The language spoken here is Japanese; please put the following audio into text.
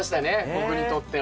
僕にとっては。